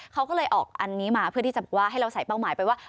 เขาก็เลยออกอันนี้มาเพื่อที่จะบอกว่าให้เราใส่เป้าหมายไปว่า